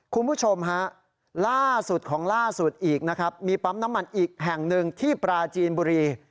คุณผู้ชมฮะล่าสุดของล่าสุดอีกนะครับมีปั๊มน้ำมันอีกแห่งหนึ่งที่ปราจีนบุรี